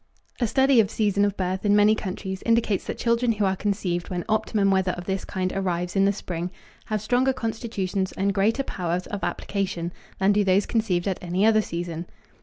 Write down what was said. A study of season of birth in many countries indicates that children who are conceived when optimum weather of this kind arrives in the spring have stronger constitutions and greater powers of application than do those conceived at any other season.